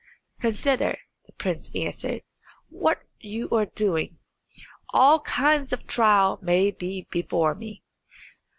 "Consider," the prince answered, "what you are doing. All kinds of trial may be before me.